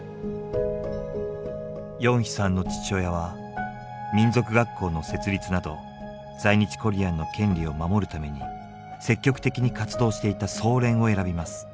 ヨンヒさんの父親は民族学校の設立など在日コリアンの権利を守るために積極的に活動していた総連を選びます。